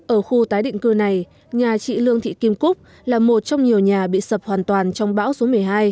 ở khu tái định cư này nhà chị lương thị kim cúc là một trong nhiều nhà bị sập hoàn toàn trong bão số một mươi hai